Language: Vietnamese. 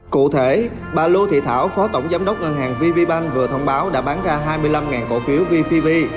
cụ thể bà lô thị thảo phó tổng giám đốc ngân hàng vb bank vừa thông báo đã bán ra hai mươi năm cổ phiếu vpv